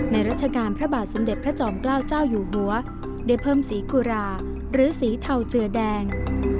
รัชกาลพระบาทสมเด็จพระจอมเกล้าเจ้าอยู่หัวได้เพิ่มสีกุราหรือสีเทาเจือแดง